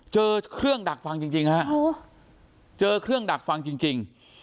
เจอเครื่องดักฟังจริงฮะเจอเครื่องดักฟังจริง